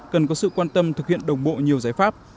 cần có sự quan tâm thực hiện đồng bộ nhiều giải pháp